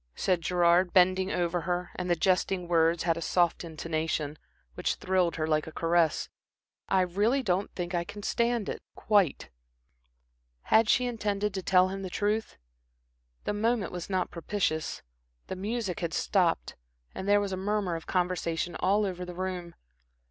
said Gerard, bending over her and the jesting words had a soft intonation, which thrilled her like a caress. "I really don't think I can stand it quite." Had she intended to tell him the truth? The moment was not propitious. The music had stopped, and there was a murmur of conversation all over the room.